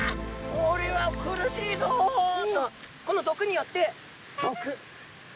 おれは苦しいぞ！」とこの毒によってどく。